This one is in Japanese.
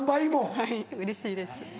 はいうれしいです。